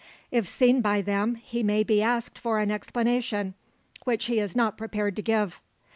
If seen by them he may be asked for an explanation, which he is not prepared to give.